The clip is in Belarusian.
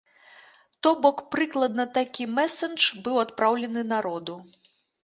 То бок прыкладна такі мэсадж быў адпраўлены народу.